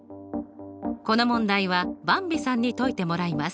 この問題はばんびさんに解いてもらいます。